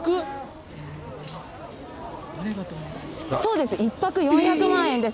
そうです、１泊４００万円です。